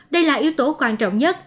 đây là yếu tố quan trọng nhất